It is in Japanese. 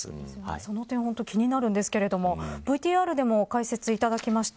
その点ほんと気になるんですがＶＴＲでも解説いただきました